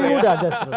lebih mudah justru